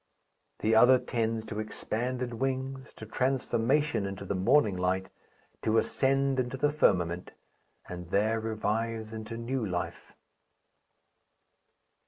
The other tends to expanded wings, to transformation into the morning light, to ascent into the firmament, and there revives into new life.